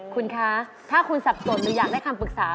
คุณคะถ้าคุณสับสนหรืออยากได้คำปรึกษา